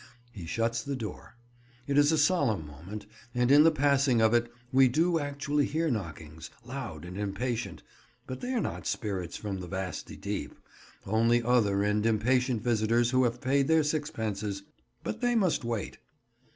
He shuts the door. It is a solemn moment, and in the passing of it we do actually hear knockings, loud and impatient—but they are not spirits from the vasty deep: only other and impatient visitors who have paid their sixpences. But they must wait.